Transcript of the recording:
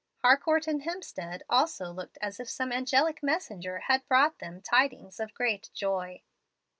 Harcourt and Hemstead also looked as if some angelic messenger had brought them "tidings of great joy."